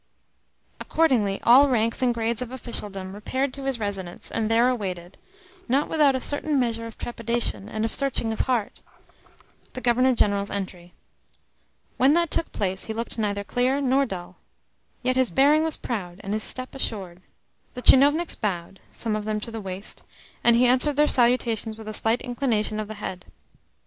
Accordingly all ranks and grades of officialdom repaired to his residence, and there awaited not without a certain measure of trepidation and of searching of heart the Governor General's entry. When that took place he looked neither clear nor dull. Yet his bearing was proud, and his step assured. The tchinovniks bowed some of them to the waist, and he answered their salutations with a slight inclination of the head.